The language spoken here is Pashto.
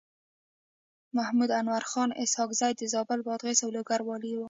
محمد انورخان اسحق زی د زابل، بادغيس او لوګر والي و.